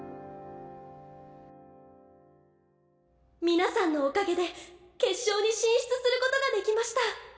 皆さんのおかげで決勝に進出することができました！